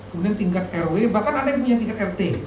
kemudian tingkat rw bahkan ada yang tingkat rt